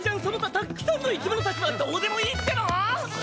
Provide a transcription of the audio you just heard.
たっくさんの生き物たちはどうでもいいっての！？